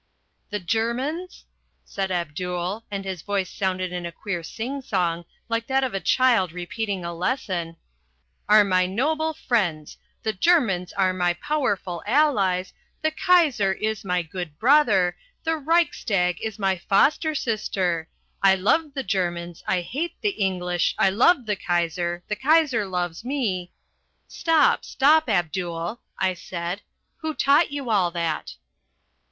"The Germans," said Abdul, and his voice sounded in a queer sing song like that of a child repeating a lesson, "are my noble friends, the Germans are my powerful allies, the Kaiser is my good brother, the Reichstag is my foster sister. I love the Germans. I hate the English. I love the Kaiser. The Kaiser loves me " "Stop, stop, Abdul," I said, "who taught you all that?"